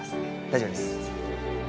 大丈夫です。